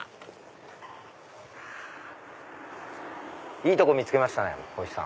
いいとこ見つけましたこひさん。